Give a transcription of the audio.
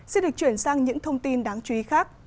xin được chuyển sang những thông tin đáng chú ý khác